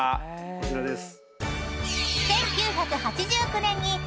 こちらです。